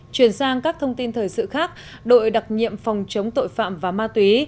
chuyển sang các thông tin thời sự khác đội đặc nhiệm phòng chống tội phạm và ma túy